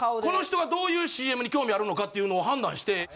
この人がどういうＣＭに興味あるのかっていうのを判断して。